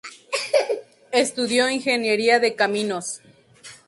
Estudió Ingeniería de Caminos.